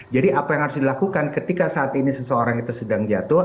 jadi apa yang harus dilakukan ketika saat ini seseorang itu sedang jatuh